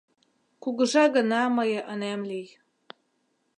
Кугыжа гына мые ынем лий